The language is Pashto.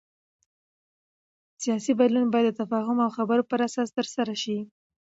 سیاسي بدلون باید د تفاهم او خبرو پر اساس ترسره شي